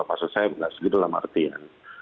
maksud saya tidak setuju dalam artian